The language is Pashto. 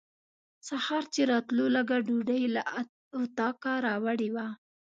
سهار چې راتلو لږه ډوډۍ له اطاقه راوړې وه.